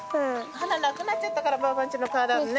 花なくなっちゃったからばあばん家の花壇ね。